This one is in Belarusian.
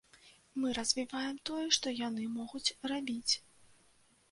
Мы развіваем тое, што яны могуць рабіць.